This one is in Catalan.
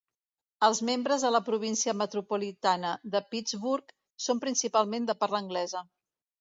Els membres de la província metropolitana de Pittsburgh són principalment de parla anglesa.